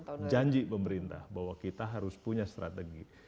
dan janji pemerintah bahwa kita harus punya strategi